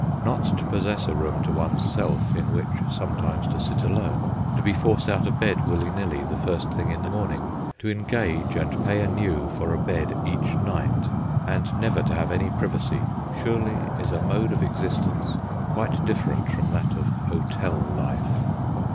Not to possess a room to one's self, in which sometimes to sit alone; to be forced out of bed willy nilly, the first thing in the morning; to engage and pay anew for a bed each night; and never to have any privacy, surely is a mode of existence quite different from that of hotel life.